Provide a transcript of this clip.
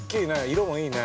◆色もいいね。